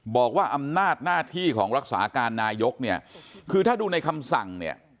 บอกว่าอำนาจหน้าที่ของรักษาการนายกเนี่ยคือถ้าดูในคำสั่งเนี่ย